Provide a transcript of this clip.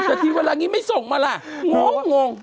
แต่ทีเวลานี้ไม่ส่งมาล่ะงง